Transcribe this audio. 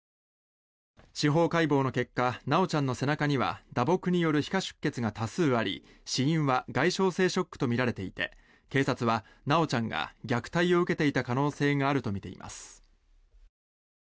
司法解剖の結果修ちゃんの背中には打撲による皮下出血が多数あり死因は外傷性ショックとみられていて警察は修ちゃんが虐待を受けていた可能性があるとみています。